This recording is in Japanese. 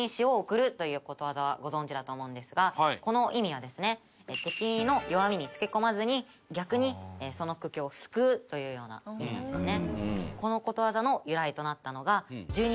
皆さんこの意味はですね敵の弱みに付け込まずに逆にその苦境を救うというような意味なんですね。